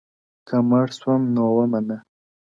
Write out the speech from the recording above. که مړ سوم نو ومنه _